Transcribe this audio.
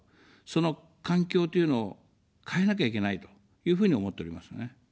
その環境というのを、変えなきゃいけないというふうに思っておりますね。